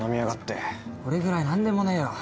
これぐらい何でもねえよ。